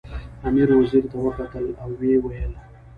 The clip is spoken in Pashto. امیر وزیر ته وکتل او ویې ویل.